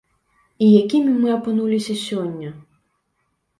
І якімі мы апынуліся сёння?